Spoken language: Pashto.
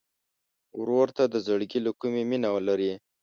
ورور ته د زړګي له کومي مینه لرې.